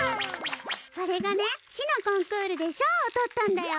それがね市のコンクールでしょうを取ったんだよ。